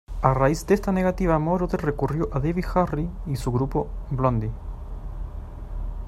A raíz de esta negativa, Moroder recurrió a Debbie Harry y su grupo Blondie.